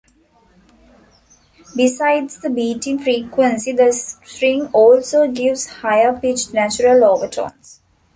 Besides the beating frequency, the string also gives higher pitched natural overtones.